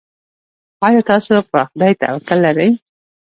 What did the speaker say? ایا تاسو په خدای توکل لرئ؟